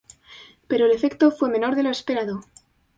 Pero el efecto fue menor de lo esperado.